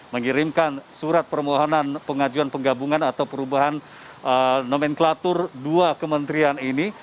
mengirimkan surat permohonan pengajuan penggabungan atau perubahan nomenklatur dua kementerian ini